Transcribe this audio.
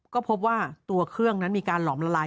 ก็พบว่าตัวเครื่องนั้นมีการหลอมละลาย